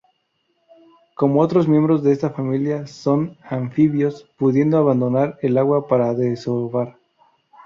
Como otros miembros de esta familia son anfibios, pudiendo abandonar el agua para desovar.